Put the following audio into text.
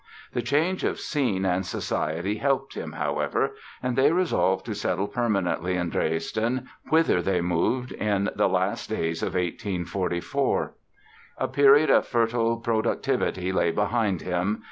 The change of scene and society helped him, however, and they resolved to settle permanently in Dresden, whither they moved in the last days of 1844. A period of fertile productivity lay behind him.